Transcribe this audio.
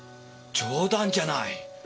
冗談じゃない。